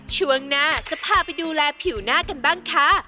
ช่วงหน้าจะพาไปดูแลผิวหน้ากันบ้างค่ะ